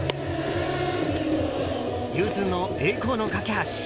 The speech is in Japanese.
ゆずの「栄光の架橋」。